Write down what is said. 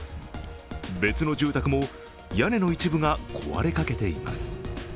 別の住宅も、屋根の一部が壊れかけています。